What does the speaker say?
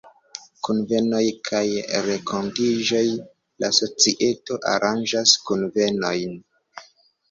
Kunvenoj kaj renkontiĝoj: La societo aranĝas kunvenojn.